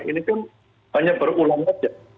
ini kan hanya berulang saja